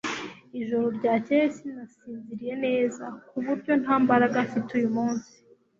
Ijoro ryakeye sinasinziriye neza, ku buryo nta mbaraga mfite uyu munsi.